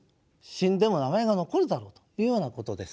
死んでも名前が残るだろうというようなことです。